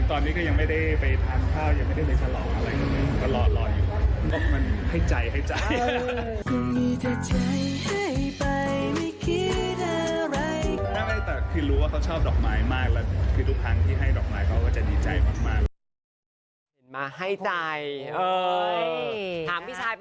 ถามพี่ชายไปแล้ว